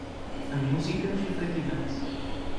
A música foi cativante.